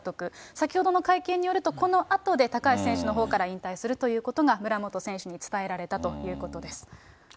先ほどの会見によると、このあとで高橋選手のほうから引退するということが、村元選手に伝えられたということです。